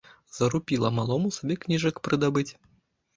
Зарупіла малому сабе кніжак прыдабыць.